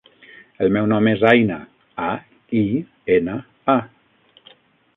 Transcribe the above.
El meu nom és Aina: a, i, ena, a.